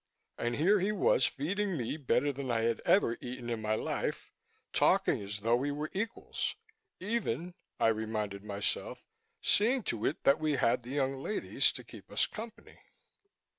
And here he was feeding me better than I had ever eaten in my life, talking as though we were equals, even (I reminded myself) seeing to it that we had the young ladies to keep us company.